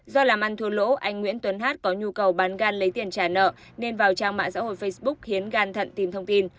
do làm ăn thua lỗ anh nguyễn tuấn hát có nhu cầu bán gan lấy tiền trả nợ nên vào trang mạng xã hội facebook khiến gan thận tìm thông tin